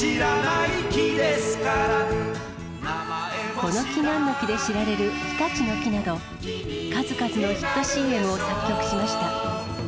この木なんの木で知られる日立の樹など、数々のヒットＣＭを作曲しました。